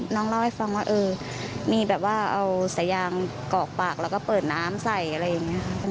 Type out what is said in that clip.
น้องเล่าให้ฟังว่าเออมีแบบว่าเอาสายางกอกปากแล้วก็เปิดน้ำใส่อะไรอย่างนี้ค่ะ